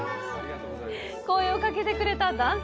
声をかけてくれた男性。